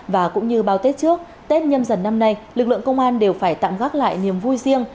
và cũng như bao tết trước tết nhâm dần năm nay lực lượng công an đều phải tạm gác lại niềm vui riêng